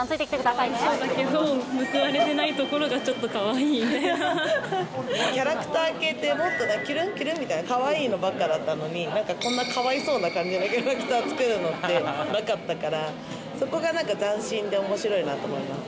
かわいそうだけど、報われてキャラクター系って、もっときゅるんきゅるんみたいなかわいいのばっかだったのに、なんかこんなかわいそうな感じのキャラクター作るのってなかったから、そこがなんか斬新でおもしろいなと思います。